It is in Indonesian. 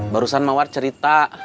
barusan mawar cerita